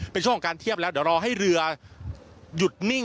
เป็นช่วงของการเทียบแล้วเดี๋ยวรอให้เรือหยุดนิ่ง